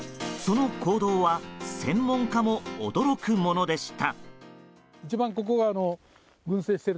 その行動は専門家も驚くものでした。